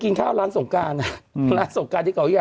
หนูก็จุดวันเดิมค่ะพี่มดำค่ะ